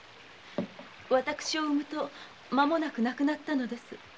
私を産むと間もなく亡くなったのです。